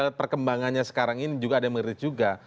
kalau kita lihat perkembangannya sekarang ini juga ada yang mengerit juga